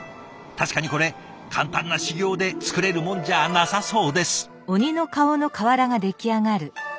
確かにこれ簡単な修業で作れるもんじゃあなさそうです。